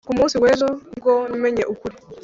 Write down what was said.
ku munsi w'ejo ni bwo namenye ukuri.